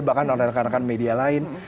bahkan oleh rekan rekan media lain